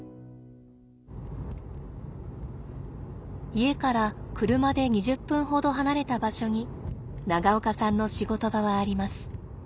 家から車で２０分ほど離れた場所に長岡さんの仕事場はあります。